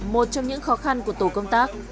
một trong những khó khăn của tổ công tác